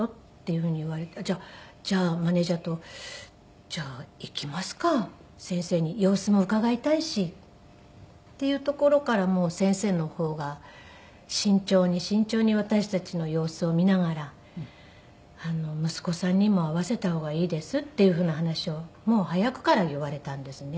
じゃあマネジャーとじゃあ行きますか先生に様子も伺いたいしっていうところからもう先生の方が慎重に慎重に私たちの様子を見ながら「息子さんにも会わせた方がいいです」っていうふうな話をもう早くから言われたんですね。